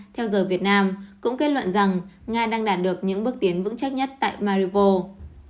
theo giờ việt nam cũng kết luận rằng nga đang đạt được những bước tiến vững chắc nhất tại maripo